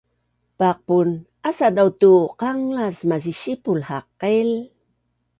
Paqpun asa dau tu qanglas masisipul haqil